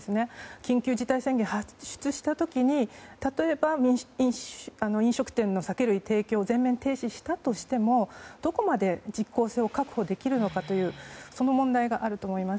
緊急事態宣言を発出した時に例えば、飲食店の酒類提供を全面停止したとしてもどこまで実効性を確保できるのかというその問題があると思います。